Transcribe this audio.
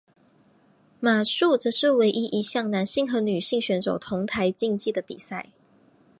马术则是唯一一项男性和女性选手同台竞技的比赛。